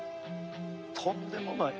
とんでもない。